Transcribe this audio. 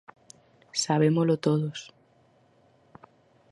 Sabémolo todos.